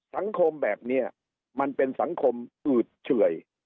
สังคมแบบนี้มันเป็นสังคมอืดเฉื่อย